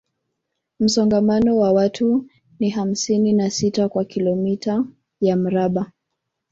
Msongamano wa watu ni hamsini na sita kwa kilomita ya mraba